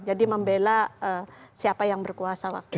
jadi membela siapa yang berkuasa waktu itu